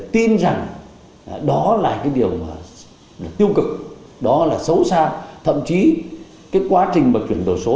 tin rằng đó là cái điều mà tiêu cực đó là xấu xa thậm chí cái quá trình mà chuyển đổi số